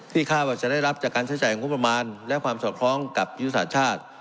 ที่ข้าวจะได้รับจากการใช้จ่ายงบราณและความสอบคล้องกับยุทธศาสตร์